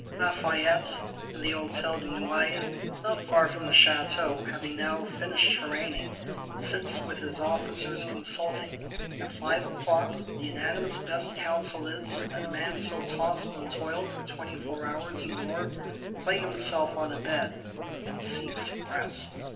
Lafayette, in the Hôtel de Noailles, not far from the Château, having now finished haranguing, sits with his Officers consulting: at five o'clock the unanimous best counsel is, that a man so tost and toiled for twenty four hours and more, fling himself on a bed, and seek some rest.